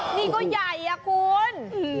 นี่ก็ใหญ่อะคุณ